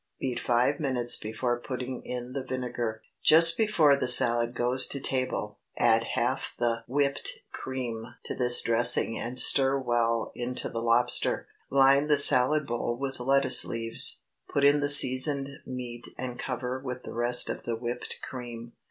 Beat five minutes before putting in the vinegar. Just before the salad goes to table add half the whipped cream to this dressing and stir well into the lobster. Line the salad bowl with lettuce leaves; put in the seasoned meat and cover with the rest of the whipped cream.